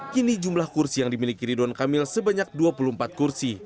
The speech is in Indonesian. kini jumlah kursi yang dimiliki ridwan kamil sebanyak dua puluh empat kursi